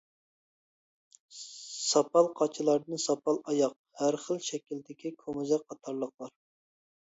ساپال قاچىلاردىن ساپال ئاياق، ھەر خىل شەكىلدىكى كومزەك قاتارلىقلار.